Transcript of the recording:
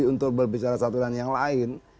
untuk berbicara satu dan yang lain